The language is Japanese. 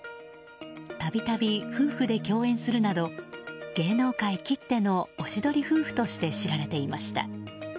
度々、夫婦で共演するなど芸能界きってのおしどり夫婦として知られていました。